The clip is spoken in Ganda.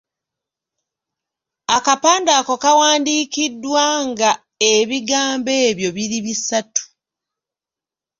Akapande ako kandiwandiikiddwa nga ebigambo ebyo biri bisatu.